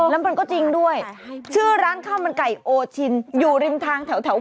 แล้วมันก็จริงด้วยชื่อร้านข้าวมันไก่โอชินอยู่ริมทางแถว